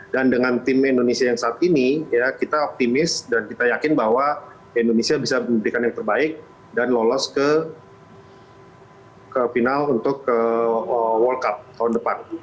dan dengan tim indonesia yang saat ini ya kita optimis dan kita yakin bahwa indonesia bisa memberikan yang terbaik dan lolos ke final untuk ke world cup tahun depan